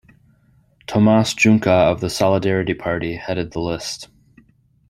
Tomas Junkka of the Solidarity Party headed the list.